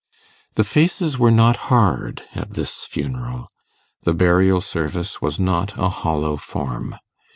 The faces were not hard at this funeral; the burial service was not a hollow form.